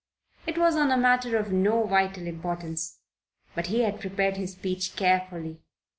It was on a matter of no vital importance; but he had prepared his speech carefully.